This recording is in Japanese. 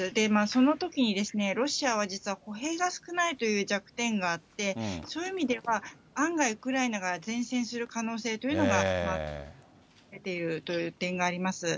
そのときに、ロシアは実は歩兵が少ないという弱点があって、そういう意味では、案外、ウクライナが善戦する可能性というのが出ているという点があります。